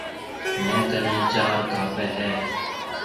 ميه ڪنَي چار ڪاپي هيَ۔